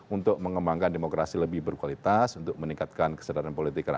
untuk mengembangkan demokrasi lebih berkualitas untuk meningkatkan kesadaran politik rakyat